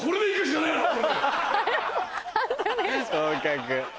合格。